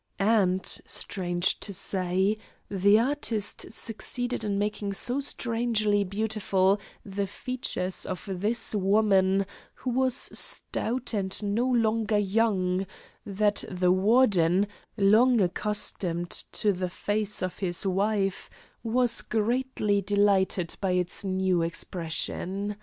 And, strange to say, the artist succeeded in making so strangely beautiful the features of this woman, who was stout and no longer young, that the Warden, long accustomed to the face of his wife, was greatly delighted by its new expression.